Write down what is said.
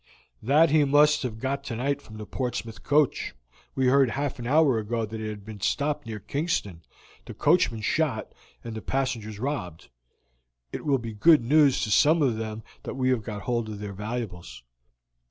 "That he must have got tonight from the Portsmouth coach; we heard half an hour ago that it had been stopped near Kingston, the coachman shot, and the passengers robbed. It will be good news to some of them that we have got hold of their valuables.